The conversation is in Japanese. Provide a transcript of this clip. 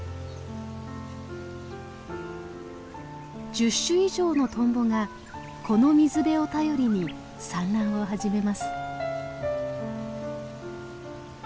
１０種以上のトンボがこの水辺を頼りに産卵を始めます。